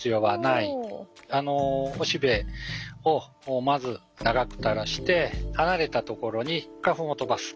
おしべをまず長く垂らして離れたところに花粉を飛ばす。